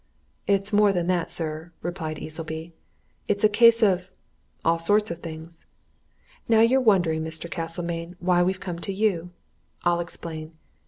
"It's more than that, sir," replied Easleby. "It's a case of all sorts of things. Now you're wondering, Mr. Castlemayne, why we come to you? I'll explain.